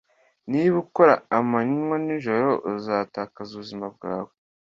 Niba ukora amanywa n'ijoro uzatakaza ubuzima bwawe